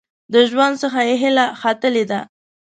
د ژوند څخه یې هیله ختلې ده .